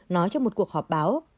nói trong một cuộc họp báo